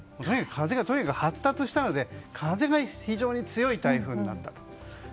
とにかく発達したので風が非常に強い台風になったと。